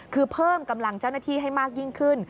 คือเพิ่มกำลังเจ้าหน้าที่ให้มากยิ่งขึ้น